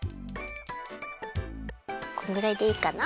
このぐらいでいいかな？